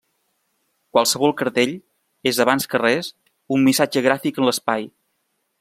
Qualsevol cartell és, abans que res, un missatge gràfic en l’espai.